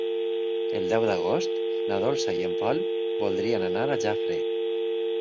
El deu d'agost na Dolça i en Pol voldrien anar a Jafre.